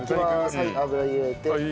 はい油入れて。